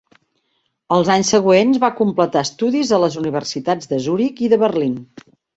Els anys següents va completar estudis a les universitats de Zuric i de Berlín.